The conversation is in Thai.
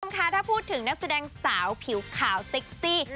สำคัญถ้าพูดถึงนักแสดงสาวผิวขาวซิกซี่